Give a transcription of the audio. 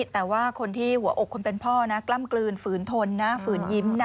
แต่ว่าคนที่หัวอกคนเป็นพ่อนะกล้ำกลืนฝืนทนนะฝืนยิ้มนะ